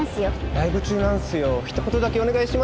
ライブ中なんすよひと言だけお願いします